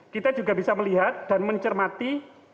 kita juga bisa melihat dan mencermati